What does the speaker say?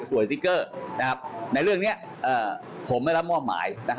สติ๊กเกอร์ในเรื่องนี้ผมไม่รับมอบหมาย